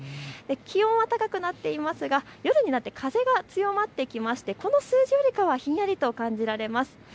気温は高くなっていますが夜になって風が強まってきまして、この数字よりはひんやりと感じられます。